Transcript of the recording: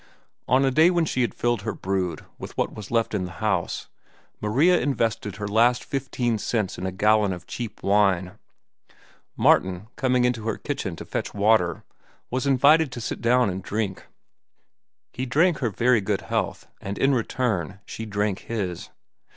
On a day when she had filled her brood with what was left in the house, Maria invested her last fifteen cents in a gallon of cheap wine. Martin, coming into her kitchen to fetch water, was invited to sit down and drink. He drank her very good health, and in return she drank his.